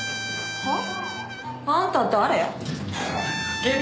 はあ？